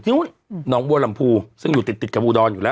นี่น้องบัวลำพูซึ่งอยู่ติดกับอูดอนอยู่แล้ว